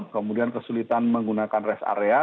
kemudian kesulitan menggunakan rest area